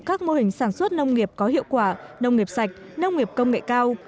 các mô hình sản xuất nông nghiệp có hiệu quả nông nghiệp sạch nông nghiệp công nghệ cao